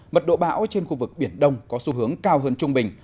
mật độ bão trên khu vực biển đông có xu hướng cao hơn trung bình